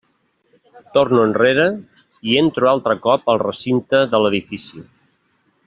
Torno enrere i entro altre cop al recinte de l'edifici.